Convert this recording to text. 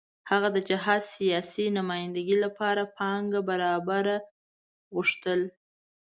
هغه د جهاد د سیاسي نمايندګۍ لپاره پانګه برابرول غوښتل.